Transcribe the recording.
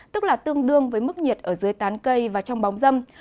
tức là tương đương với mức nhiệt ở dưới tán cây và trong bóng dâm